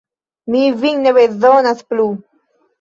Mi vin ne bezonas plu.